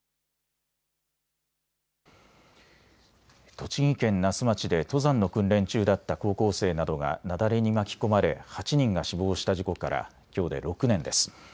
栃木県那須町で登山の訓練中だった高校生などが雪崩に巻き込まれ８人が死亡した事故からきょうで６年です。